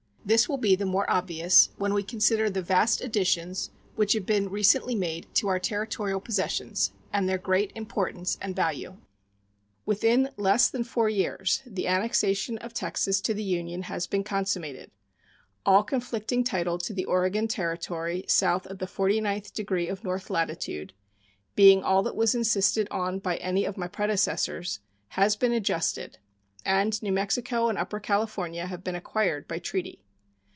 This will be the more obvious when we consider the vast additions which have been recently made to our territorial possessions and their great importance and value. Within less than four years the annexation of Texas to the Union has been consummated; all conflicting title to the Oregon Territory south of the forty ninth degree of north latitude, being all that was insisted on by any of my predecessors, has been adjusted, and New Mexico and Upper California have been acquired by treaty.